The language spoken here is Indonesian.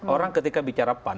orang ketika bicara pan